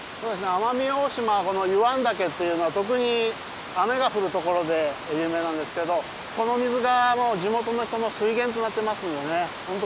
奄美大島はこの湯湾岳っていうのは特に雨が降るところで有名なんですけどこの水が地元の人の水源となってますんでね本当